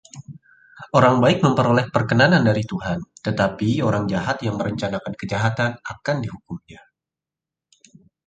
Orang baik memperoleh perkenanan dari Tuhan, tetapi orang yang merencanakan kejahatan akan dihukum-Nya.